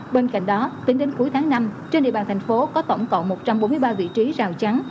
bên cạnh đó tính đến cuối tháng năm trên địa bàn thành phố có tổng cộng một trăm bốn mươi ba vị trí rào chắn